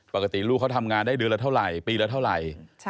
ปกติลูกเขาทำงานได้เดือนละเท่าไหร่ปีละเท่าไหร่